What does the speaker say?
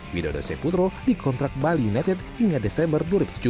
widodo cahyono putro dikontrak bali united hingga desember dua ribu tujuh belas